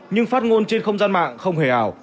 nhưng phát ngôn trên không gian mạng không hề ảo